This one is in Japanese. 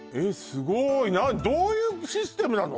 すごい何どういうシステムなの？